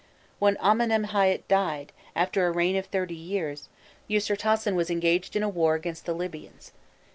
When Amenemhâît died, after a reign of thirty years, Ûsirtasen was engaged in a war against the Libyans.